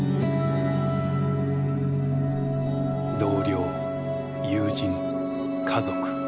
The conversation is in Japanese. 同僚友人家族。